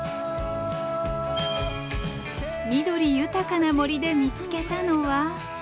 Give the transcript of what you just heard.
緑豊かな森で見つけたのは。